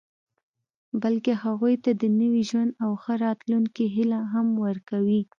بلکې هغوی ته د نوي ژوند او ښه راتلونکي هیله هم ورکوي